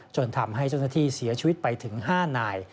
จนทำให้เจ้าหน้าที่เสียชีวิตไปถึง๕นาย